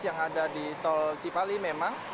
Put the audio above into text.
yang ada di tol cipali memang